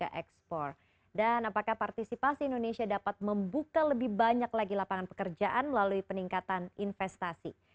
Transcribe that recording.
apakah partisipasi indonesia dapat membuka lebih banyak lagi lapangan pekerjaan melalui peningkatan investasi